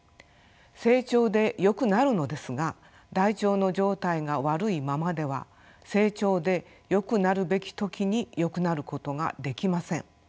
成長でよくなるのですが大腸の状態が悪いままでは成長でよくなるべき時によくなることができません。